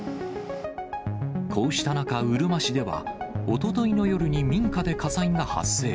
こうした中、うるま市では、おとといの夜に民家で火災が発生。